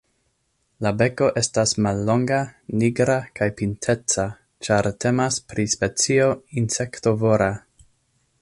La beko estas mallonga, nigra kaj pinteca, ĉar temas pri specio insektovora.